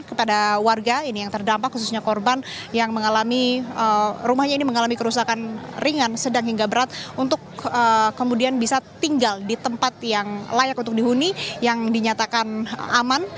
kepada warga ini yang terdampak khususnya korban yang mengalami rumahnya ini mengalami kerusakan ringan sedang hingga berat untuk kemudian bisa tinggal di tempat yang layak untuk dihuni yang dinyatakan aman